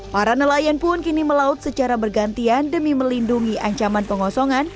para nelayan pun kini melaut secara bergantian demi melindungi ancaman pengosongan